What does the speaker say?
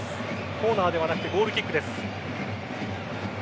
コーナーではなくゴールキックです。